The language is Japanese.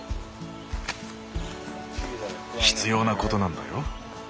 必要なことなんだよ。